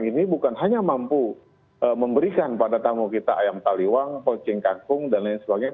ini bukan hanya mampu memberikan pada tamu kita ayam taliwang pocing kakung dan lain sebagainya